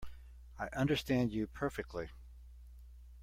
I understand you perfectly.